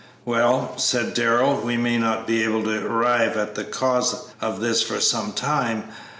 "Well," said Darrell, "we may not be able to arrive at the cause of this for some time.